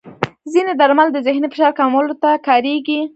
ځینې درمل د ذهني فشار کمولو ته کارېږي.